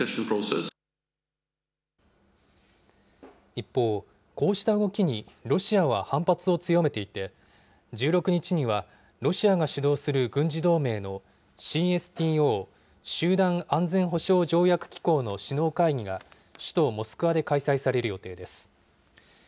一方、こうした動きにロシアは反発を強めていて、１６日には、ロシアが主導する軍事同盟のＣＳＴＯ・集団安全保障条約機構の首脳会議が、首都モスクワで開催される予定です。